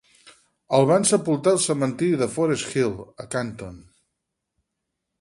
El van sepultar al cementiri de Forest Hill, a Canton.